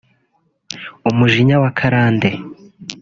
umujinya wa karande